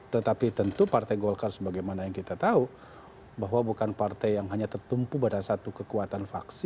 tetapi tentu partai golkar sebagaimana yang kita tahu bahwa bukan partai yang hanya tertumpu pada satu kekuatan faksi